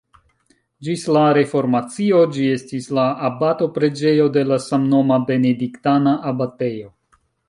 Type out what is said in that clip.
Ĝis la reformacio ĝi estis la abato-preĝejo de la samnoma benediktana abatejo.